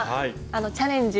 あのチャレンジ。